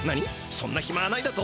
そんなひまはないだと？